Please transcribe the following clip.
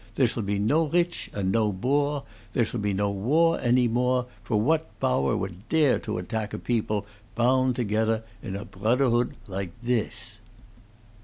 There shall be no rich and no boor; and there shall not be war any more, for what bower wouldt dare to addack a beople bound togeder in a broderhood like that?"